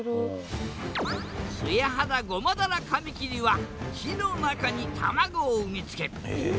ツヤハダゴマダラカミキリは木の中に卵を産み付ける。